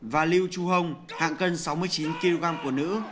và liu chuhong hạng cân sáu mươi chín kg của nữ